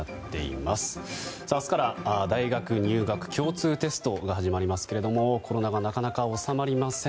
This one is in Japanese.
明日から、大学入学共通テストが始まりますがコロナがなかなか収まりません。